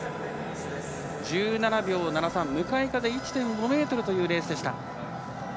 １７秒７３向かい風１．５ｍというレースでした。